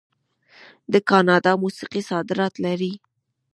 د کاناډا موسیقي صادرات لري.